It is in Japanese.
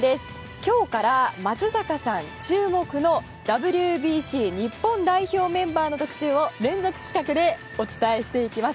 今日から松坂さん注目のＷＢＣ日本代表メンバーの特集を連続企画でお伝えしていきます。